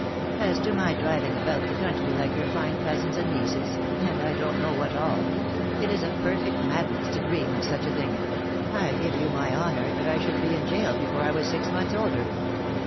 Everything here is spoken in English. As to my driving about the country like your fine cousins and nieces, and I don't know what all — ^it is perfect madness to dream of such a thing — ^I give you my honour that I should be in jail before I was six months older.